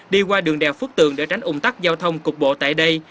đi qua đường đèo phước tường để tránh ủng tắc giao thông cục bộ tại đây